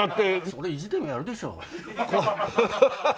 そりゃ意地でもやるでしょう。